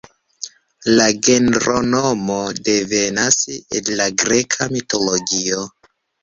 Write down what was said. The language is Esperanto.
La genronomo devenas el la greka mitologio.